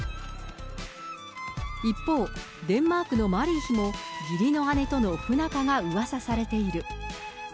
一方、デンマークのマリー妃も、義理の姉との不仲がうわさされている。